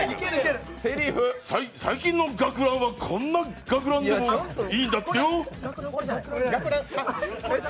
最近の学ランはこんな学ランでもいいんだってよ。